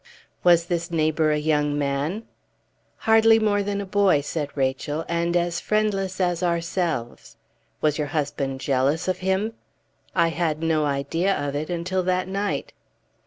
"Was this neighbor a young man?" "Hardly more than a boy," said Rachel, "and as friendless as ourselves." "Was your husband jealous of him?" "I had no idea of it until that night."